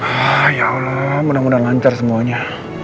ya allah mudah mudahan lancar semuanya